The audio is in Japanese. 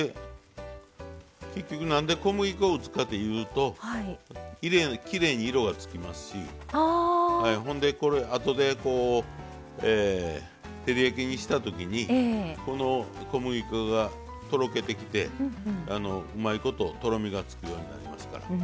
結局何で小麦粉を打つかというときれいに色がつきますしあとで照り焼きにした時にこの小麦粉がとろけてきてうまいこととろみがつくようになりますから。